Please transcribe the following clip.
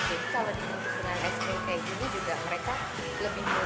jadi untuk kesenangan es krim kayak gini juga mereka lebih mudah makannya bentuknya juga lucu